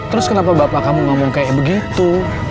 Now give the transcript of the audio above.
terus kenapa bapak kamu ngomong kayak begitu